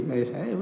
terus apakah itu